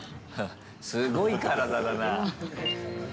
すごい体だな。